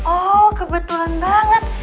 oh kebetulan banget